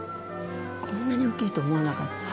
こんなに大きいと思わなかった。